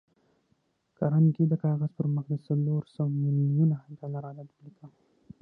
کارنګي د کاغذ پر مخ د څلور سوه ميليونه ډالر عدد وليکه.